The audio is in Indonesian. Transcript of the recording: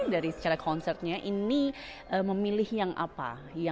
dari secara konsepnya ini memilih yang apa